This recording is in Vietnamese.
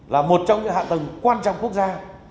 là một trong những hạ tầng quan trọng quốc gia